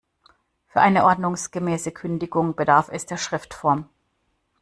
Für eine ordnungsgemäße Kündigung bedarf es der Schriftform.